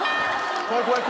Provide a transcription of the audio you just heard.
怖い怖い！